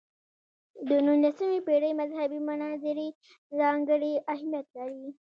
د نولسمې پېړۍ مذهبي مناظرې ځانګړی اهمیت لري.